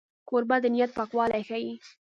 کوربه د نیت پاکوالی ښيي.